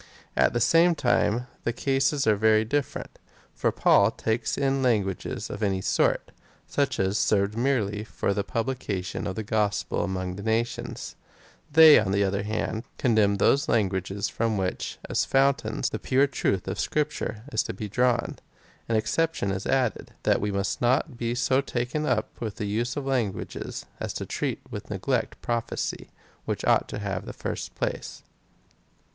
At the same time the cases are very diiferent. For Paul takes in languages of any sort — such as served merely for the publication of the gospel among all nations. They, on the other hand, condemn those languages, from which, as fountains, the pure truth of scripture is to be drawn. An exception is added — that we must not be so taken up with the use of languages, as to treat with neglect prophecy, which ought to have the first place.